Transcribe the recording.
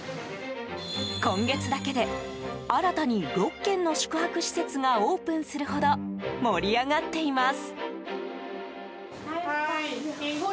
今月だけで、新たに６軒の宿泊施設がオープンするほど盛り上がっています。